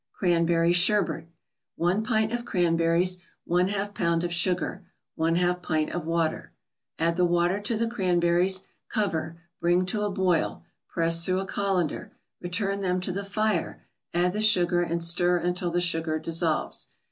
CRANBERRY SHERBET 1 pint of cranberries 1/2 pound of sugar 1/2 pint of water Add the water to the cranberries, cover, bring to a boil; press through a colander, return them to the fire, add the sugar, and stir until the sugar dissolves.